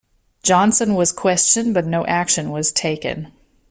Jonson was questioned, but no action was taken.